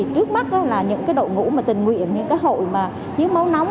trước mắt là những đội ngũ tình nguyện những hội mà hiến máu nóng